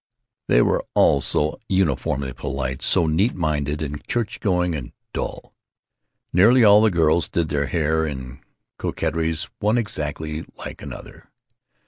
They were all so uniformly polite, so neat minded and church going and dull. Nearly all the girls did their hair and coquetries one exactly like another.